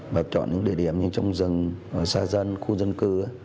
và chọn những địa điểm như trong rừng xa dân khu dân cư